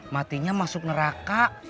matinya masuk neraka